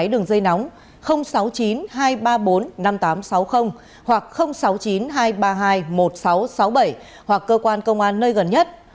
đường dây nóng sáu mươi chín hai trăm ba mươi bốn năm nghìn tám trăm sáu mươi hoặc sáu mươi chín hai trăm ba mươi hai một nghìn sáu trăm sáu mươi bảy hoặc cơ quan công an nơi gần nhất